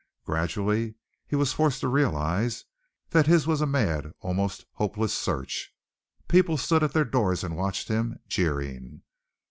Gradually he was forced to realize that his was a mad, almost hopeless search. People stood at their doors and watched him, jeering.